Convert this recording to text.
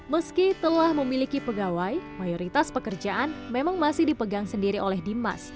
meski telah memiliki pegawai mayoritas pekerjaan memang masih dipegang sendiri oleh dimas